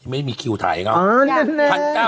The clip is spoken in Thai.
ยังไม่มีคิวถ่ายให้เขา